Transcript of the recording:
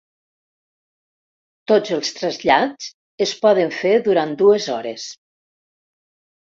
Tots els trasllats es poden fer durant dues hores.